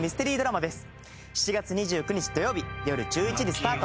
７月２９日土曜日よる１１時スタート。